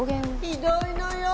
ひどいのよ！